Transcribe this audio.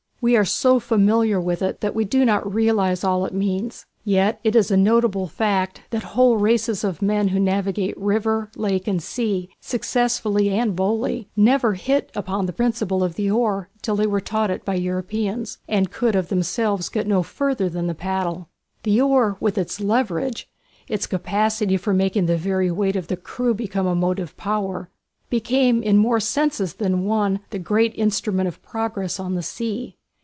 We are so familiar with it, that we do not realize all it means. Yet it is a notable fact that whole races of men who navigate river, lake, and sea, successfully and boldly, never hit upon the principle of the oar till they were taught it by Europeans, and could of themselves get no further than the paddle. The oar, with its leverage, its capacity for making the very weight of the crew become a motive power, became in more senses than one the great instrument of progress on the sea.